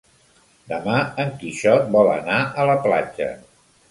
Demà en Quixot vol anar a la platja.